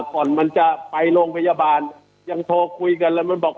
ก่อนมันจะไปโรงพยาบาลยังโทรคุยกันแล้วมันบอก